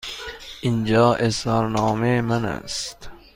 اینجا اظهارنامه من است.